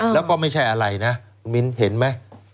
แล้วก็ไม่ใช่อะไรนะมิ้นเห็นไหม